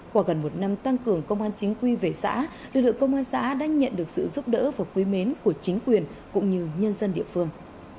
qua gần một năm tăng cường công an chính quy về xã lực lượng công an xã đã nhận được sự giúp đỡ và quý mến của chính quyền cũng như nhân dân địa phương